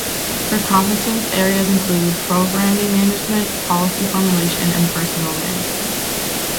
Her Competence areas include Programme management, Policy formulation and personnel management.